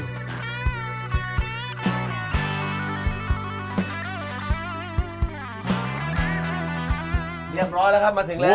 เรียบร้อยแล้วครับมาถึงแล้ว